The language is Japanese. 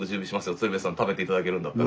鶴瓶さん食べていただけるんだったら。